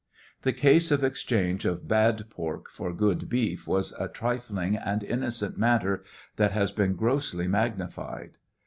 The case of exchange of bad pork for good beef was a trifling and innocent matter that has been grossly magnified.